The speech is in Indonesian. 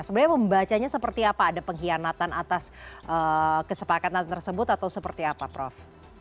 sebenarnya membacanya seperti apa ada pengkhianatan atas kesepakatan tersebut atau seperti apa prof